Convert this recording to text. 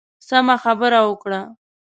سمه خبره وکړه.